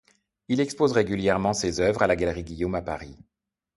Il expose régulièrement ses œuvres à la Galerie Guillaume à Paris.